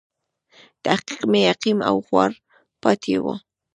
تحقیق مې عقیم او خوار پاتې و.